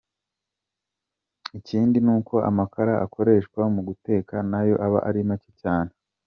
Ikindi n’uko amakara akoreshwa mu guteka na yo aba ari make cyane.